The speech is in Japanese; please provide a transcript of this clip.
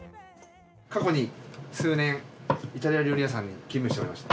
過去に数年イタリア料理屋さんに勤務しておりました。